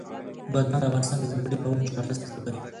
بزګان د افغانستان د ځانګړي ډول جغرافیه استازیتوب کوي.